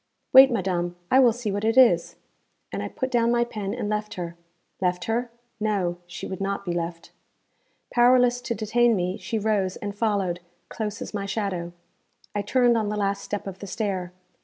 'Wait, madam; I will see what it is.' And I put down my pen and left her. Left her? No. She would not be left. Powerless to detain me, she rose and followed, close as my shadow. I turned on the last step of the stair.